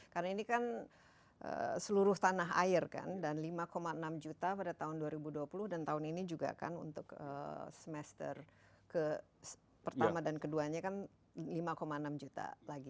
karena ini kan seluruh tanah air kan dan lima enam juta pada tahun dua ribu dua puluh dan tahun ini juga kan untuk semester pertama dan keduanya kan lima enam juta lagi